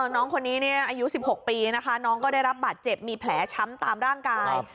น้องคนนี้อายุ๑๖ปีนะคะน้องก็ได้รับบาดเจ็บมีแผลช้ำตามร่างกาย